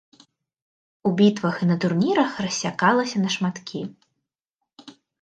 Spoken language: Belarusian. У бітвах і на турнірах рассякалася на шматкі.